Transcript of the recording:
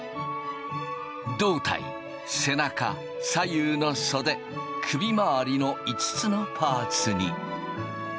胴体背中左右の袖首回りの５つのパーツに。